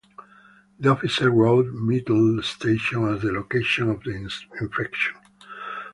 The officer wrote Mettler Station as the location of the infraction.